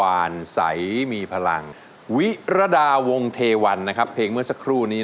รักแต่พี่ด้วยใจเดียวรักแต่พี่ด้วยใจเดียว